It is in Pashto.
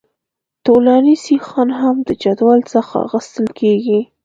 طولاني سیخان هم د جدول څخه اخیستل کیږي